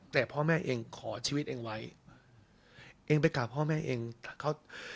แต่พ่อแม่เองขอชีวิตเองไว้เองไปกราบพ่อแม่เองเขา